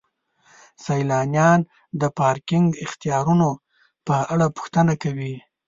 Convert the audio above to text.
سیلانیان د پارکینګ اختیارونو په اړه پوښتنه کوي.